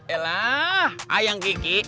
elah ayang kiki